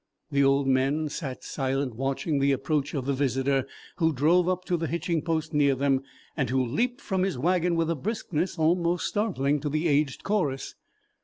The old men sat silent, watching the approach of the visitor, who drove up to the hitching post near them, and who leaped from his wagon with a briskness almost startling to the aged chorus.